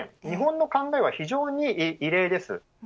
日本の考えは非常に異例です。